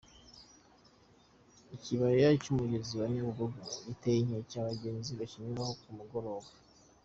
Ikibaya cy’umugezi wa Nyabugogo giteye inkeke abagenzi bakinyuramo ku mugoroba